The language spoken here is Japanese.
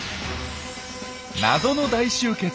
謎の大集結